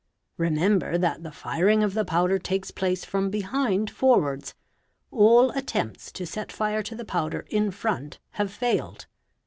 Remember that the firing of the powder takes place from behind forwards; all attempts to set fire to the powder in front have failed.